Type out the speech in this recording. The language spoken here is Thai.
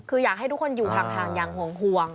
คืออยากให้ทุกคนอยู่ห่างอย่างห่วง